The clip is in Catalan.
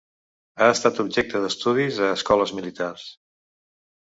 Ha estat objecte d'estudis a escoles militars.